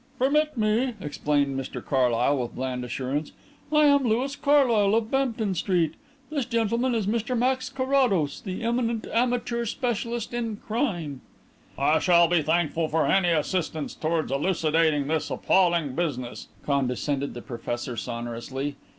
"Permit me," explained Mr Carlyle, with bland assurance. "I am Louis Carlyle, of Bampton Street. This gentleman is Mr Max Carrados, the eminent amateur specialist in crime." "I shall be thankful for any assistance towards elucidating this appalling business," condescended the professor sonorously.